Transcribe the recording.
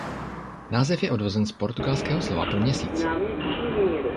Název je odvozen z portugalského slova pro měsíc.